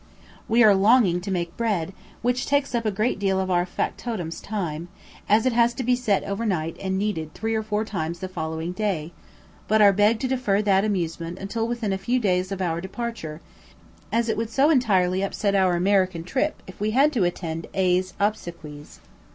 We are longing to make bread, which takes up a great deal of our factotum's time, as it has to be set over night and kneaded three or four times the following day; but are begged to defer that amusement until within a few days of our departure, as it would so entirely upset our American trip if we had to attend A 's obsequies.